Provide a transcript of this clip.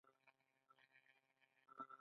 آیا چایخانې په هر ځای کې نشته؟